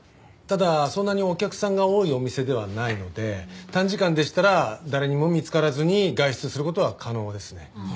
ただそんなにお客さんが多いお店ではないので短時間でしたら誰にも見つからずに外出する事は可能ですね。